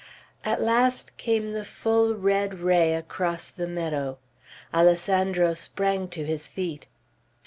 At last came the full red ray across the meadow. Alessandro sprang to his feet.